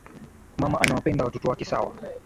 Mama anawapenda watoto wake sawa